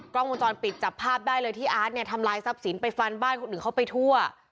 กล้องวงจรปิดจับภาพได้เลยที่อาร์ตเนี่ยทำลายทรัพย์สินไปฟันบ้านคนอื่นเข้าไปทั่ว